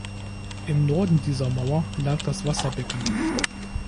Im Norden dieser Mauer lag das Wasserbecken.